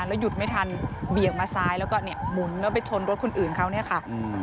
แล้วหยุดไม่ทันเบี่ยงมาซ้ายแล้วก็เนี่ยหมุนแล้วไปชนรถคนอื่นเขาเนี่ยค่ะ